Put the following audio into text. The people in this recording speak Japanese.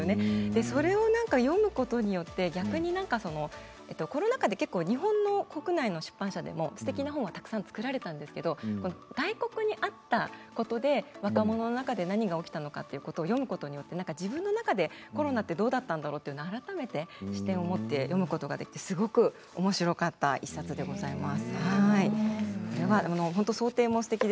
それを読むことによって逆にコロナ禍で日本の国内の出版社でもすてきな本は作られたんですけれど外国にあったことで若者の中で何が起こったのかということを読むことによって自分の中でコロナは何だったんだろうと改めて視点を持って読むことができてすごくおもしろかった１冊でございます。